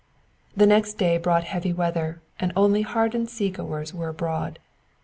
The next day brought heavy weather, and only hardened sea goers were abroad.